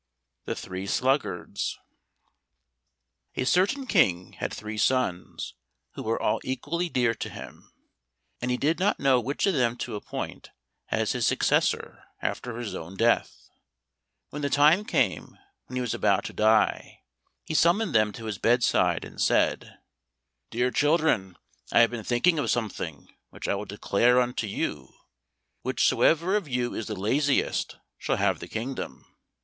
151 The Three Sluggards A certain King had three sons who were all equally dear to him, and he did not know which of them to appoint as his successor after his own death. When the time came when he was about to die, he summoned them to his bedside and said, "Dear children, I have been thinking of something which I will declare unto you; whichsoever of you is the laziest shall have the kingdom."